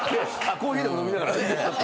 コーヒーでも飲みながらね。